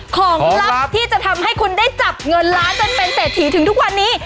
ลับที่จะทำให้คุณได้จับเงินล้านจนเป็นเศรษฐีถึงทุกวันนี้